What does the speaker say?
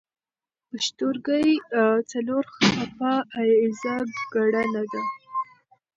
پوښتورګی څلور څپه ایزه ګړه ده.